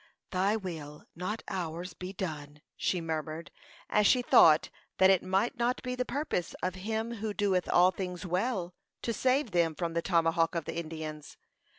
"Thy will, not ours, be done," she murmured, as she thought that it might not be the purpose of "Him who doeth all things well" to save them from the tomahawk of the Indians.